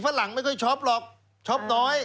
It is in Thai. หลังไม่ค่อยช็อปหรอกช็อปน้อย